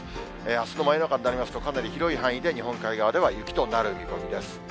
あすの真夜中になりますと、かなり広い範囲で日本海側では雪となる見込みです。